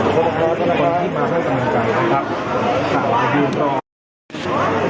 ของพระพระเจ้านะครับที่มาสร้างสำนักการณ์นะครับ